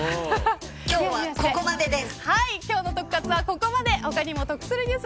今日は、ここまでです。